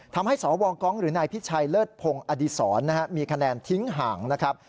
ทำให้สวกองหรือนายพิชัยเลิศพงศ์อดีศรมีคะแนนทิ้งห่างนะครับ